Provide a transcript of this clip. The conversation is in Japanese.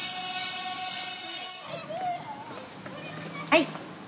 はい。